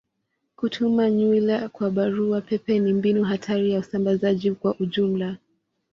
Kutuma nywila kwa barua pepe ni mbinu hatari ya usambazaji kwa ujumla.